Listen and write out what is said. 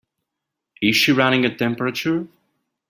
Is she running a temperature?